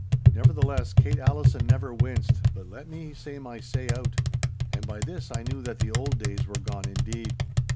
Nevertheless Kate Allison never winced but let me say my say out. And by this I knew that the old days were gone indeed.